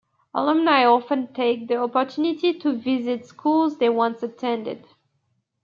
Alumni often take the opportunity to visit schools they once attended.